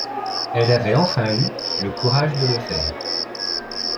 Elle avait enfin eu le courage de le faire !